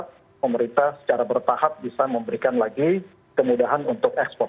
pemerintah secara bertahap bisa memberikan lagi kemudahan untuk ekspor